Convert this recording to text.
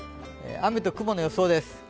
雨と雲の予想です。